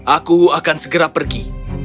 aku akan segera pergi